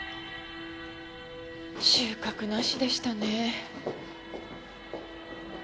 収穫なしでしたね。